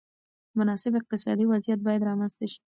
مناسب اقتصادي وضعیت باید رامنځته شي.